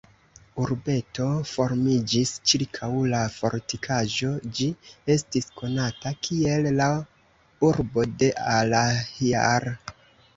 Urbeto formiĝis ĉirkaŭ la fortikaĵo, ĝi estis konata kiel "La urbo de Alahjar".